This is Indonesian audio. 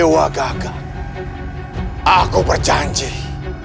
akan aku runtuhkan istana pancacara